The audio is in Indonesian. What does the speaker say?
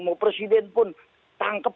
mau presiden pun tangkap